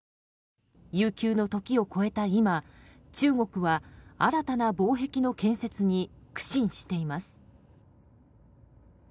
悠久の時を越えた今中国は、新たな防壁の建設に苦心しています。